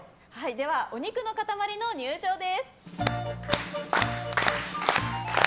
ではお肉の塊の入場です。